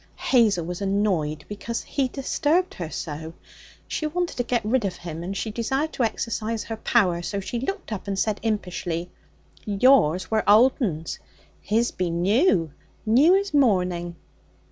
Hazel was annoyed because he disturbed her so. She wanted to get rid of him, and she desired to exercise her power. So she looked up and said impishly: 'Yours were old 'uns. His be new new as morning.'